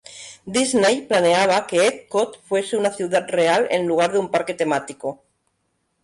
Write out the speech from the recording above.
Disney planeaba que Epcot fuese una ciudad real en lugar de un parque temático.